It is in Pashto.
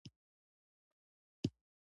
اوسني انسانانو تر پخوانیو زیات پرمختک کړی دئ.